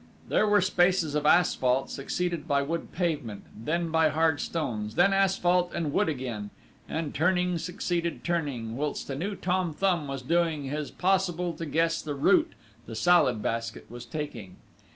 There were spaces of asphalt, succeeded by wood pavement, then by hard stones, then asphalt and wood again, and turning succeeded turning, whilst a new Tom Thumb was doing his possible to guess the route the Salad Basket was taking.